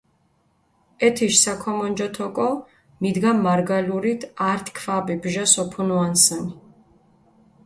ეთიში საქომონჯოთ ოკო, მიდგა მარგალურით ართი ქვაბი ბჟას ოფუნუანსჷნი.